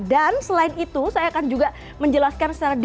dan selain itu saya akan juga menjelaskan secara detail ya